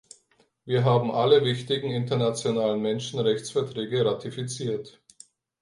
Wir haben alle wichtigen internationalen Menschenrechtsverträge ratifiziert.